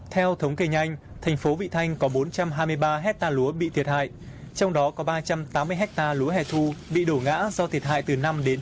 theo thống kê nhanh thành phố vị thanh có bốn trăm hai mươi ba hectare lúa bị thiệt hại trong đó có ba trăm tám mươi hectare lúa hẻ thu bị đổ ngã do thiệt hại từ năm đến ba mươi